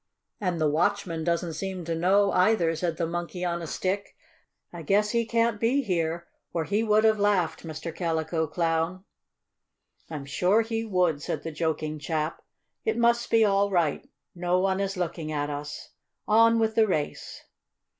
"And the watchman doesn't seem to know, either," said the Monkey on a Stick. "I guess he can't be here, or he would have laughed, Mr. Calico Clown." "I'm sure he would," said the joking chap. "It must be all right. No one is looking at us. On with the race!"